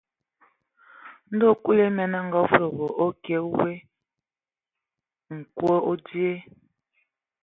Ndɔ Kulu emen a afudubu a nkwe: nkwe o dzyee.